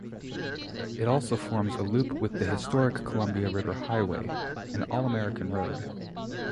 It also forms a loop with the Historic Columbia River Highway, an All-American Road.